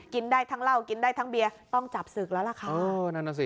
กินได้ทั้งเหล้ากินได้ทั้งเบียร์ต้องจับศึกแล้วล่ะค่ะเออนั่นน่ะสิ